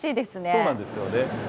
そうなんですよね。